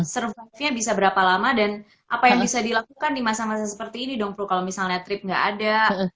survive nya bisa berapa lama dan apa yang bisa dilakukan di masa masa seperti ini dong pru kalau misalnya trip nggak ada